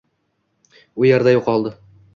u yerda yo’qoldi.